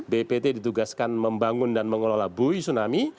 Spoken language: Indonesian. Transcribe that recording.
bpt ditugaskan membangun dan mengelola bui tsunami